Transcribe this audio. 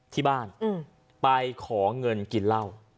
ที่บ้านไปขอเงินกินเหล้า